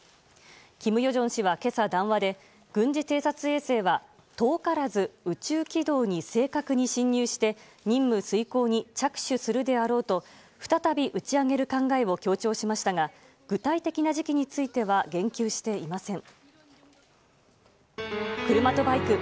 金与正氏は今朝、談話で軍事偵察衛星は遠からず宇宙軌道に正確に進入して任務遂行に着手するであろうと再び打ち上げる考えを強調しましたが具体的な時期については言及していません。